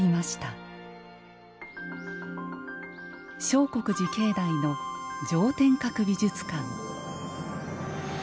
相国寺境内の承閣美術館